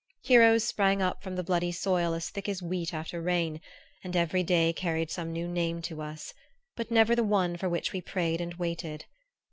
Heroes sprang up from the bloody soil as thick as wheat after rain, and every day carried some new name to us; but never the one for which we prayed and waited.